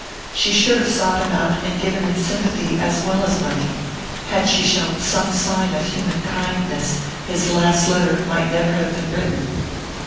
She should have sought him out and given him sympathy as well as money; had she shown some sign of human kindness his last letter might never have been written.